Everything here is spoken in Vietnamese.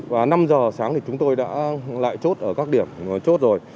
và năm giờ sáng thì chúng tôi đã lại chốt ở các điểm chốt rồi